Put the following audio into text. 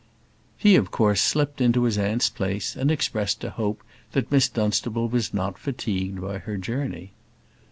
He of course slipped into his aunt's place, and expressed a hope that Miss Dunstable was not fatigued by her journey.